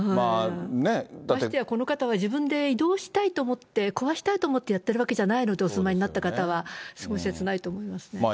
ましてやこの方は自分で移動したいと思って、壊したいと思ってやってるわけじゃないので、お住まいになった方は、すごい切ないと思いますね。